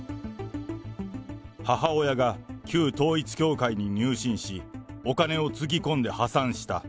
母親が旧統一教会に入信し、お金をつぎ込んで破産した。